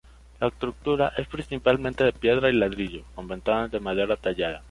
La estructura es principalmente de piedra y ladrillo, con ventanas de madera tallada.